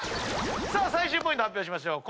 最終ポイント発表しましょう。